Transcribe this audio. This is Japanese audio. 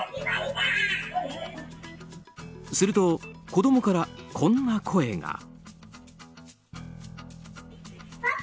すると、子供からこんな声が。